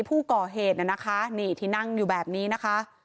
ผู้ก่อเหตุนี่ที่นั่งอยู่แบบนี้นะคะ